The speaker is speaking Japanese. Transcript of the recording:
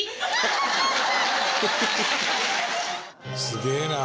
すげえな。